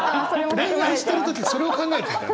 恋愛してる時それを考えてたの？